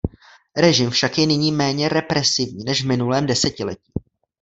Režim však je nyní méně represivní než v minulém desetiletí.